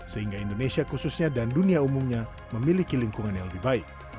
sehingga indonesia khususnya dan dunia umumnya memiliki lingkungan yang lebih baik